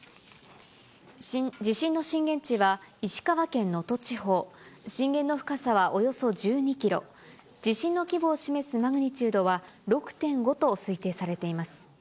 地震の震源地は、石川県能登地方、震源の深さはおよそ１２キロ、地震の規模を示すマグニチュードは６．５と推定されています。